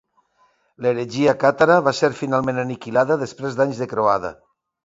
L'heretgia càtara va ser finalment aniquilada després d'anys de croada.